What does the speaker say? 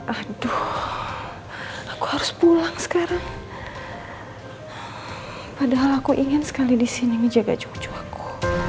aduh aku harus pulang sekarang padahal aku ingin sekali di sini menjaga cucu aku